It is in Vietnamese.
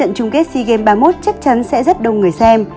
trận chung kết sea games ba mươi một chắc chắn sẽ rất đông người xem